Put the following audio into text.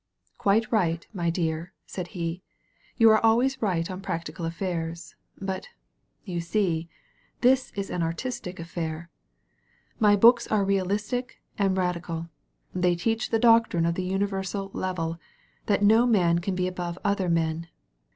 '^ Quite right, my dear," said he, ^^ou are always right on practical affairs. But, you see, this is an artistic affair. My books are realistic and radical. They teach the doctrine of the universal level, that no man can be above other men.